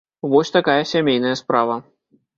Вось такая сямейная справа.